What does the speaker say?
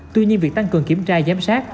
tuy nhiên việc tăng cường kiểm tra giám sát